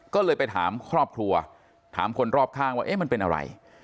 ก็เลยไปถามครอบครัวถามคนรอบข้างว่าเอ๊ะมันเป็นอะไร